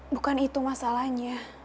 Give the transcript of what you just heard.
bukan itu masalahnya